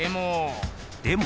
でも。